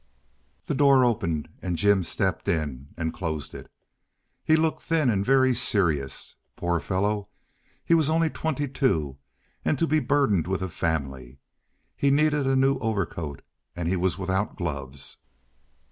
The door opened and Jim stepped in and closed it. He looked thin and very serious. Poor fellow, he was only twenty two—and to be burdened with a family! He needed a new overcoat and he was without gloves.